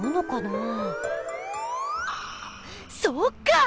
あそっか！